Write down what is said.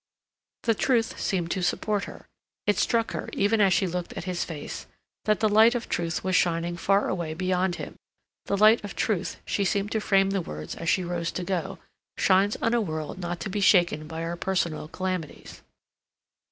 The truth seemed to support her; it struck her, even as she looked at his face, that the light of truth was shining far away beyond him; the light of truth, she seemed to frame the words as she rose to go, shines on a world not to be shaken by our personal calamities.